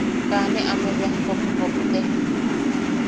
Kaa ne ame beaj kopkopte.